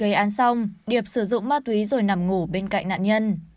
gây án xong điệp sử dụng ma túy rồi nằm ngủ bên cạnh nạn nhân